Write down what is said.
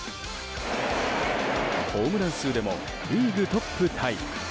ホームラン数でもリーグトップタイ。